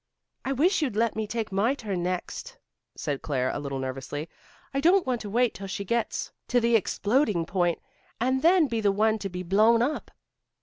"I wish you'd let me take my turn next," said Claire a little nervously. "I don't want to wait till she gets to the exploding point, and then be the one to be blown up."